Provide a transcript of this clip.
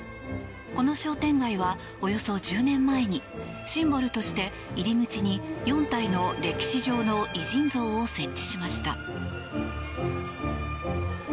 この商店街はおよそ１０年前にシンボルとして入り口に４体の歴史上の偉人像を設置しました。